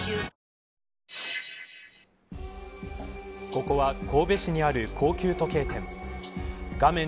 ここは神戸市にある高級時計店画面